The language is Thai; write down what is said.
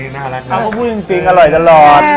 ข้าวปุ้งจริงอร่อยตลอด